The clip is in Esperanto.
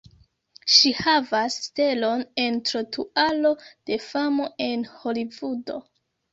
Ŝi havas stelon en Trotuaro de famo en Holivudo.